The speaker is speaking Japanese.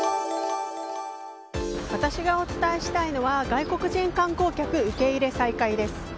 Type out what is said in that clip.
私がお伝えしたいのは外国人観光客受け入れ再開です。